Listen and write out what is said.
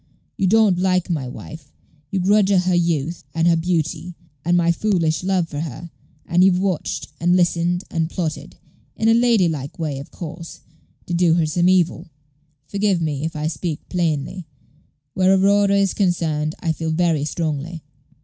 You don't like my wife; you grudge her her youth, and her beauty, and my foolish love for her; and you've watched, and listened, and plotted in a lady like way, of course to do her some evil. Forgive me if I speak plainly. Where Aurora is concerned, I feel very strongly.